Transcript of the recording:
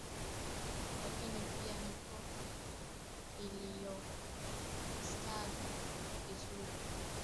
Lakini pia mikoko iliyostawi vizuri ni kivutio kikubwa hifadhini humo